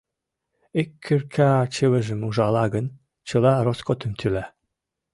Ик кӱрка-чывыжым ужала гын, чыла роскотым тӱла.